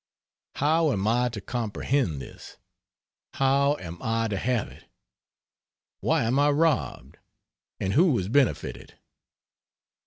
How am I to comprehend this? How am I to have it? Why am I robbed, and who is benefited?